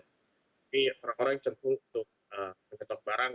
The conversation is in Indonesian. tapi orang orang yang centuh untuk mengetok barang